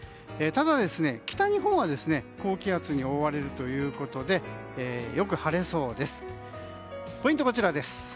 ただ、北日本は高気圧に覆われるということでよく晴れそうです。